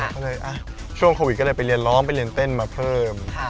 ก็เลยช่วงโควิดก็เลยไปเรียนร้องไปเรียนเต้นมาเพิ่ม